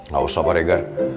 gak usah pak regar